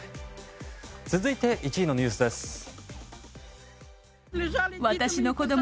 続いて１位のニュースです。